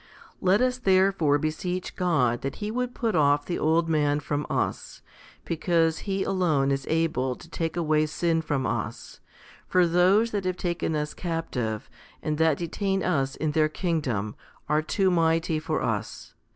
Let us therefore beseech God that He would put off the old man from us ; because He alone is able to take away sin from us, for those that have taken us captive, and that detain us in their kingdom, are too mighty for us.